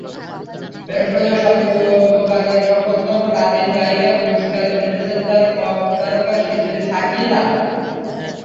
বৃহস্পতিবার সর্বকালের সফলতম লাতিন গায়িকার পুরস্কার জিতেছেন তাঁর পপতারকা স্ত্রী শাকিরা।